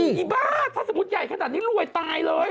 อีบ้าถ้าสมมุติใหญ่ขนาดนี้รวยตายเลย